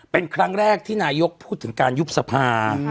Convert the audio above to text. เป็นครั้งแรกที่นายกพูดถึงการยุบสภา